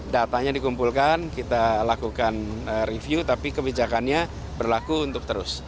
datanya dikumpulkan kita lakukan review tapi kebijakannya berlaku untuk terus